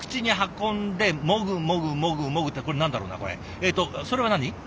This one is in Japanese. えっとそれは何？